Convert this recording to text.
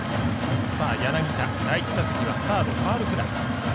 柳田、第１打席はサードファウルフライ。